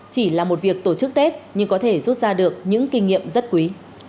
chỉ là một việc tổ chức tết nhưng có thể rút ra được những kinh nghiệm rất quý